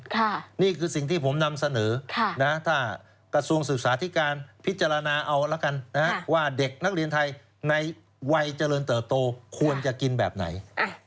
นี่คือสิ่งที่ผมนำเสนอถ้ากระทรวงศึกษาธิการพิจารณาเอาละกันว่าเด็กนักเรียนไทยในวัยเจริญเติบโตควรจะกินแบบไหน